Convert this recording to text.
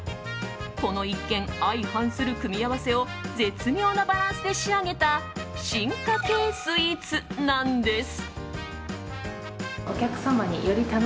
この一見、相反する組み合わせを絶妙なバランスで仕上げた進化形スイーツなんです。